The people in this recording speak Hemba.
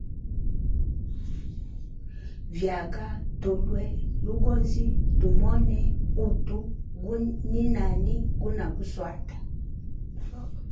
Vyaga tulwe logozi tumone utu ni nani guna buswata.